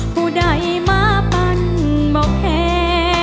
ผู้ใดมาปั้นบอกแค่